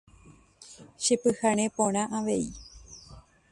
Chepyhare porã avei.